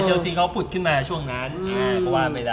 ซิงเขาผุดขึ้นมาช่วงนั้น